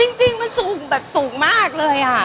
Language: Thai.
อุ้ยยยยยยยยจริงมันสูงสูงมากเลยอ่ะ